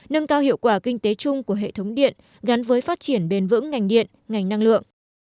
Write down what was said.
nâng cao hiệu quả kinh tế chung của hệ thống điện gắn với phát triển bền vững ngành điện ngành năng lượng